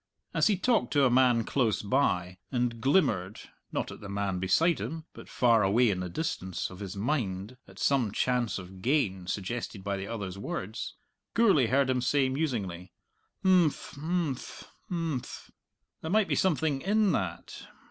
As he talked to a man close by and glimmered (not at the man beside him, but far away in the distance of his mind at some chance of gain suggested by the other's words) Gourlay heard him say musingly, "Imphm, imphm, imphm! there might be something in that!"